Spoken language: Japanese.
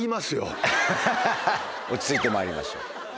落ち着いてまいりましょう。